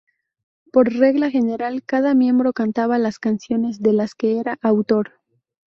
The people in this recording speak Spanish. Por regla general, cada miembro cantaba las canciones de las que era autor.